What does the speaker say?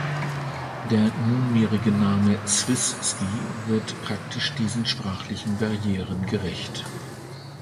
Der nunmehrige Name "swiss ski" wird praktisch diesen sprachlichen Barrieren gerecht.